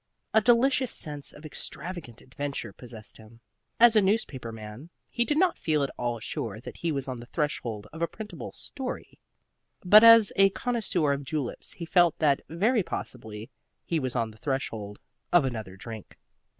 A delicious sense of extravagant adventure possessed him. As a newspaper man, he did not feel at all sure that he was on the threshold of a printable "story"; but as a connoisseur of juleps he felt that very possibly he was on the threshold of another drink.